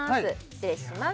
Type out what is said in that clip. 失礼します